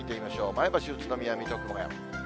前橋、宇都宮、水戸、熊谷。